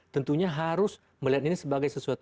tentunya harus melihat ini sebagai sesuatu